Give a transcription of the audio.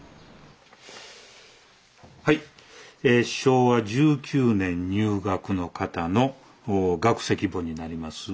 はいえ昭和１９年入学の方の学籍簿になります。